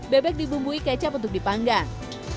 bebek dibumbui kecap untuk dipanggang